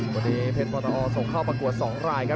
วันนี้เพชรปตอส่งเข้าประกวด๒รายครับ